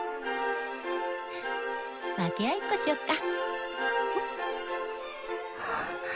分け合いっこしよっか。